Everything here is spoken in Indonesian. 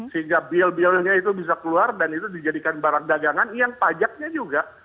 sehingga bill billnya itu bisa keluar dan itu dijadikan barang dagangan yang pajaknya juga